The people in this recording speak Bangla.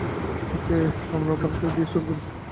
ওকে আমরা আপনাকে দিয়েই শুরু করছি।